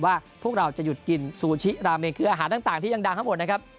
ว่าเราจะหยุดกินซูชิล้ำเมงเกลียดหลังอาหารต่างที่ยังดังทั้งหมดนะครับ